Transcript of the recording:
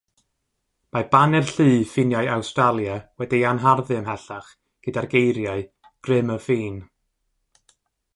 Mae Baner Llu Ffiniau Awstralia wedi'i anharddu ymhellach gyda'r geiriau "grym y ffin".